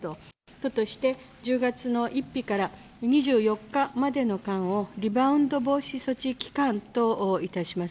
都として１０月の１日から２４日までの間をリバウンド防止措置期